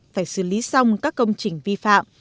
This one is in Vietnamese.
phải xử lý xong các công trình vi phạm